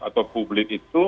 atau publik itu